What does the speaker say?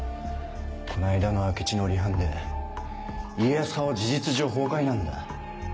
この間の明智の離反で家康派は事実上崩壊なんだ。